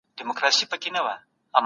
دولت د تخنیکي څېړنو لپاره پراخ ملاتړ کوي.